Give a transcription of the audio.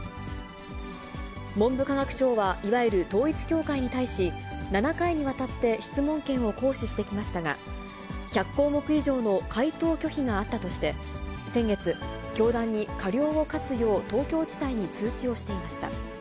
文部科学省はいわゆる統一教会に対し、７回にわたって質問権を行使してきましたが、１００項目以上の回答拒否があったとして、先月、教団に過料を科すよう東京地裁に通知をしていました。